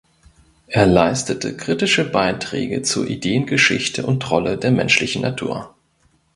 Er leistete kritische Beiträge zur Ideengeschichte und Rolle der menschlichen Natur.